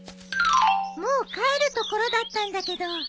もう帰るところだったんだけど。